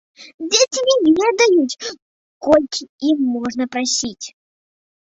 Дзеці не ведаюць, колькі ім можна прасіць.